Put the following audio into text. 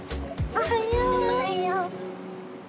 おはよう！